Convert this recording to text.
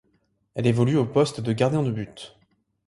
Elle évolue au poste de Gardien de but.